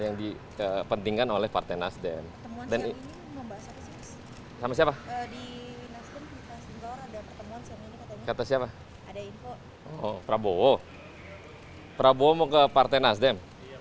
yang dipentingkan oleh partai nasdem